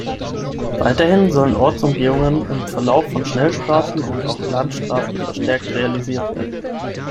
Weiterhin sollen Ortsumgehungen im Verlauf von Schnellstraßen und auch Landesstraßen verstärkt realisiert werden.